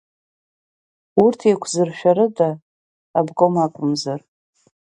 Урҭ еиқәзыршәарыда аобком акәымзар?